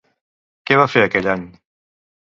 Què va fer aquell any?